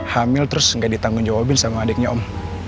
hamil terus nggak ditanggung jawabin sama adiknya om